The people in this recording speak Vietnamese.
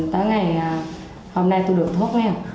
tới ngày hôm nay tôi được thuốc nghèo